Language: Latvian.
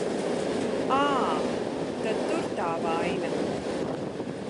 Ā, tad tur tā vaina.